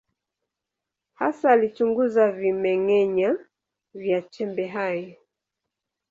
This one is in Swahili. Hasa alichunguza vimeng’enya vya chembe hai.